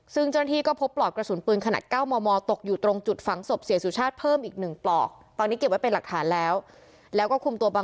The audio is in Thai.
ซึ่งเจ้าหน้าที่ก็พบปลอกกระสุนปืนขนาด๙มมตกอยู่ตรงจุดฝังศพเสียสุชาติเพิ่มอีก๑ปลอก